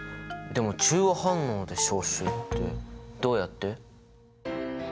でも中和反応で消臭ってどうやって？